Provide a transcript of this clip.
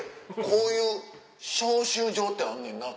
こういう招集状ってあんねんなって。